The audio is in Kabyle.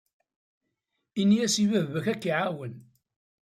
Ini-as i baba-k ad k-iɛawen.